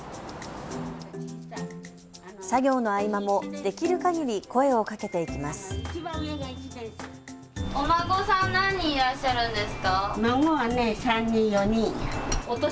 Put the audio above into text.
作業の合間もできるかぎり声をかけていきます。